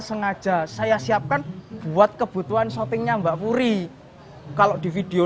sengaja saya siapkan buat kebutuhan shoppingnya mbak puri kalau di video